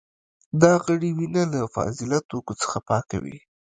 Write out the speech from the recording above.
دا غړي وینه له فاضله توکو څخه پاکوي.